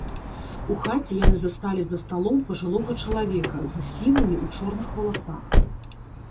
У хаце яны засталі за сталом пажылога чалавека з сівымі ў чорных валасах.